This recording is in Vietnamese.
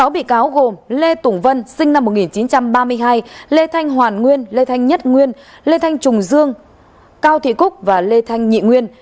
sáu bị cáo gồm lê tùng vân sinh năm một nghìn chín trăm ba mươi hai lê thanh hoàn nguyên lê thanh nhất nguyên lê thanh trùng dương cao thị cúc và lê thanh nhị nguyên